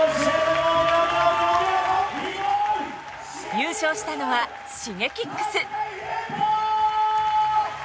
優勝したのはＳｈｉｇｅｋｉｘ！